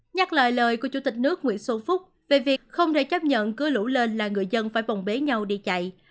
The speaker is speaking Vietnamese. nhắc lại lời của chủ tịch nước nguyễn sô phúc về việc không thể chấp nhận cưa lũ lên là người dân phải bồng bế nhau đi chạy